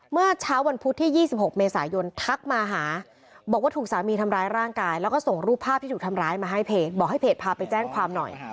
เมื่อเช้าวันพุธที่ยี่สิบหกเมษายนทักมาหา